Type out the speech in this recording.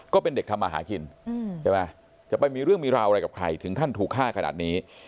ก็เป็นเด็กทำมาหากินใช่ไหมจะไปมีเรื่องมีราวอะไรกับใครถึงขั้นถูกฆ่าขนาดนี้